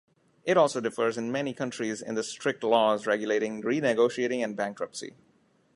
It also differs in many countries in the strict laws regulating renegotiating and bankruptcy.